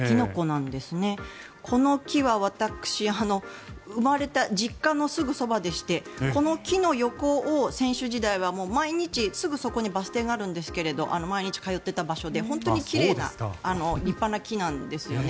この木は私生まれた実家のすぐそばでしてこの木の横を選手時代は毎日、すぐそこにバス停があるんですけども毎日通っていた場所で本当に奇麗な立派な木なんですよね。